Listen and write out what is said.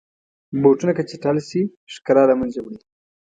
بوټونه که چټل شي، ښکلا له منځه وړي.